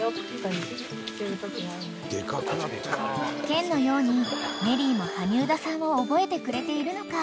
［ケンのようにメリーも羽生田さんを覚えてくれているのか？］